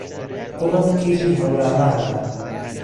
گوڵم کیژی ههورامانا